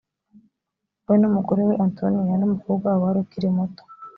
we n umugore we antonia n umukobwa wabo wari ukiri muto